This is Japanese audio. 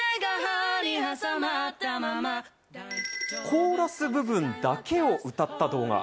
コーラス部分だけを歌った動画。